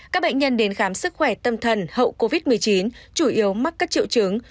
các bệnh nhân đến khám sức khỏe tâm thần hậu covid một mươi chín chủ yếu mắc các triệu chứng